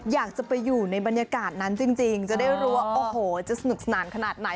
อยากจะไปอยู่ในบรรยากาศนั้นจริงจะได้รู้ว่าโอ้โหจะสนุกสนานขนาดไหน